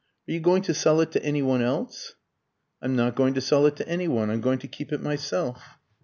Are you going to sell it to any one else?" "I'm not going to sell it to any one. I'm going to keep it myself."